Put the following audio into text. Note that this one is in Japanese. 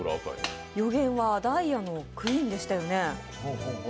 予言はダイヤのクイーンでしたよね。